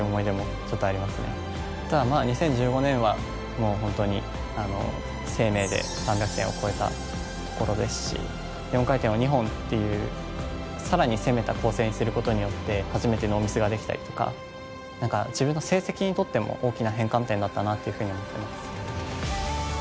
ただまあ２０１５年はもう本当に「ＳＥＩＭＥＩ」で３００点を超えたところですし４回転を２本っていう更に攻めた構成にすることによって初めてノーミスができたりとか何か自分の成績にとっても大きな変換点だったなというふうに思ってます。